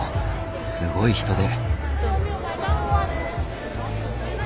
すごい人出！